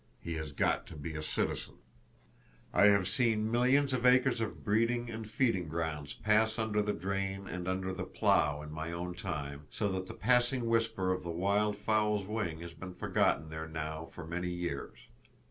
He has got to be a citizen. I have seen millions of acres of breeding and feeding grounds pass under the drain and under the plow in my own time, so that the passing whisper of the wild fowl's wing has been forgotten there now for many years.